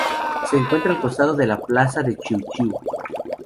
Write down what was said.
Se encuentra al costado de la plaza de Chiu Chiu.